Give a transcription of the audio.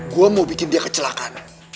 gue mau bikin dia kecelakaan